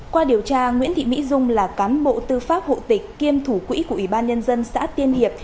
qua điều tra nguyễn thị mỹ dung là cán bộ tư pháp hộ tịch kiêm thủ quỹ của ủy ban nhân dân xã tiên hiệp